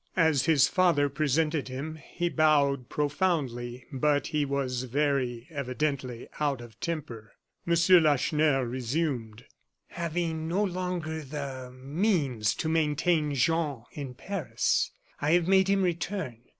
As his father presented him, he bowed profoundly; but he was very evidently out of temper. M. Lacheneur resumed: "Having no longer the means to maintain Jean in Paris, I have made him return.